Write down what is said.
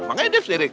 makanya dia sirik